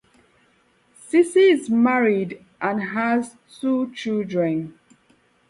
Sese is married and has two children.